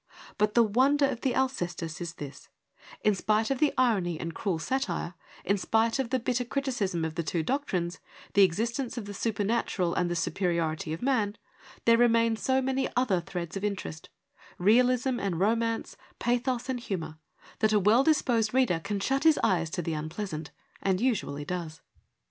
But the wonder of the Alcestis is this : in spite of the irony and cruel satire, in spite of the bitter criticism of the two doctrines, the existence of the supernatural and the superiority of man, there re main so many other threads of interest — realism and romance, pathos and humour — that a well disposed reader can shut his eyes to the unpleasant, and 134 FEMINISM IN GREEK LITERATURE usually does.